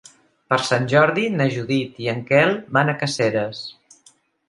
Per Sant Jordi na Judit i en Quel van a Caseres.